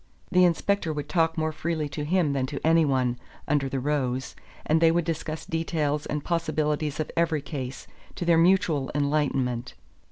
The inspector would talk more freely to him than to any one, under the rose, and they would discuss details and possibilities of every case, to their mutual enlightenment.